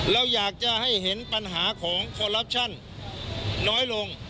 เราอยากจะให้เห็นปัญหาของคอลลับชั่นน้อยลง